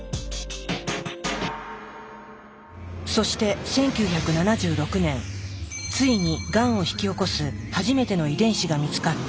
そして１９７６年ついにがんを引き起こす初めての遺伝子が見つかった。